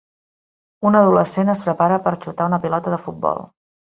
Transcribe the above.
Un adolescent es prepara per xutar una pilota de futbol.